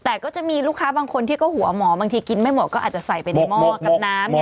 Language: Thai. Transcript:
แต่ก็จะมีลูกค้าบางคนที่ก็หัวหมอบางทีกินไม่หมดก็อาจจะใส่ไปในหม้อกับน้ำเนี่ย